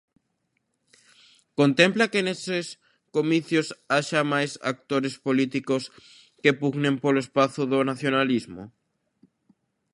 Contempla que neses comicios haxa máis actores políticos que pugnen polo espazo do nacionalismo?